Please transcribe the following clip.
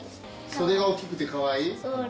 袖が大きくてかわいい？